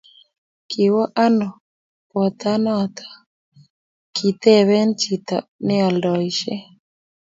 "kiwo ano batanato?"kiteben chito nealdoishe